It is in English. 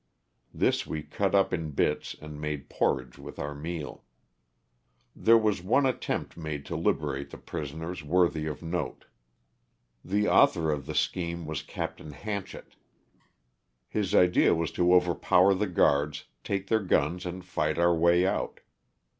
This we cut up in bits, and made porridge with our meal. There was one attempt made to liberate the prison ers worthy of note. The author of the scheme was 324 LOSS OF THE SULTANA. Oapt. Hanchett. His idea was to overpower the guards, take their guns and fight our way out.